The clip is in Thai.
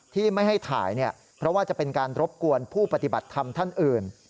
ที่ไม่ให้ถ่ายเพราะว่าจะเป็นการรบกวนผู้ปฏิบัติธรรมท่านอื่น